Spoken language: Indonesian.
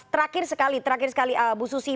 terakhir sekali terakhir sekali bu susi